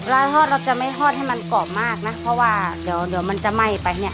ทอดเราจะไม่ทอดให้มันกรอบมากนะเพราะว่าเดี๋ยวเดี๋ยวมันจะไหม้ไปเนี่ย